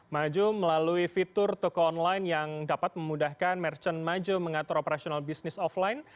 maju melalui fitur toko online yang dapat memudahkan merchant maju mengatur operasional bisnis offline